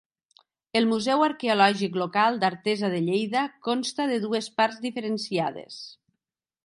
El museu arqueològic local d'Artesa de Lleida consta de dues parts diferenciades.